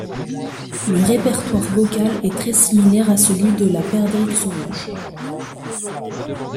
Le répertoire vocal est très similaire à celui de la perdrix rouge.